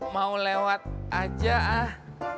mau lewat aja ah